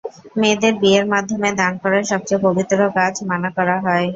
মেয়েদের বিয়ের মাধ্যমে দান করা সবচেয়ে পবিত্র কাজ মানা করা হয়।